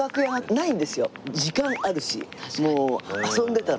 時間あるしもう遊んでたの。